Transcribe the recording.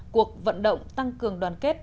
cuộc vận động tăng cường đoàn kết